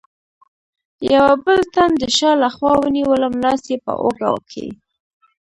یوه بل تن د شا له خوا ونیولم، لاس یې په اوږه کې.